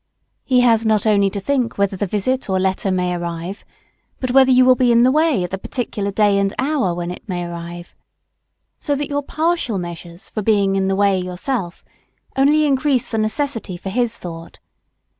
He has not only to think whether the visit or letter may arrive, but whether you will be in the way at the particular day and hour when it may arrive. So that your partial measures for "being in the way" yourself, only increase the necessity for his thought.